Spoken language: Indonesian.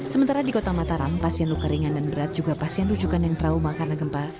sementara di kota mataram pasien luka ringan dan berat juga pasien rujukan yang trauma karena gempa